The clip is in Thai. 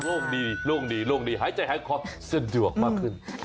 รู้สึกโล่งมากโล่งดีหายใจหายคอร์ทสะดวกมากขึ้น